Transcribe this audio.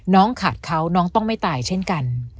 ขาดเขาน้องต้องไม่ตายเช่นกัน